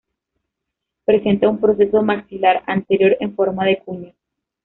Presenta un proceso maxilar anterior en forma de cuña.